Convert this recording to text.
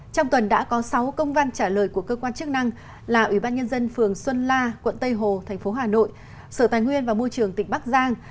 trong tuần đã có sáu công văn trả lời của cơ quan chức năng là ủy ban nhân dân phường xuân la quận tây hồ thành phố hà nội sở tài nguyên và môi trường tỉnh bắc giang